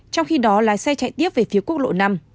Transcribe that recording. trong khi đó lái xe chạy tiếp về phía quốc lộ năm